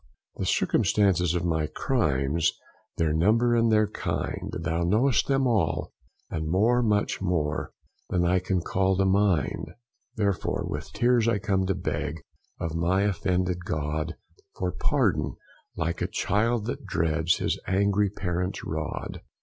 The circumstances of my crimes, Their number and their kind, Thou know'st them all; and more, much more Than I can call to mind: Therefore, with tears, I come to beg Of my offended God, For pardon, like a child that dreads His angry parent's rod.